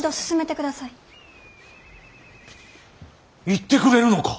行ってくれるのか。